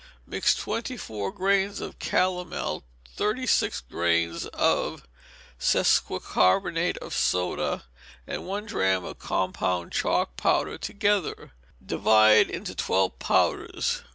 Mix twenty four grains of calomel, thirty six grains of sesquicarbonate of soda, and one drachm of compound chalk powder, together. Divide into twelve powders.